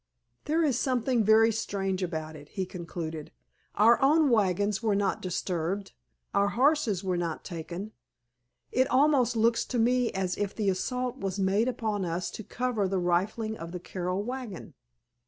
"There is something very strange about it," he concluded. "Our own wagons were not disturbed, our horses were not taken; it almost looks to me as if the assault was made upon us to cover the rifling of the Carroll wagon."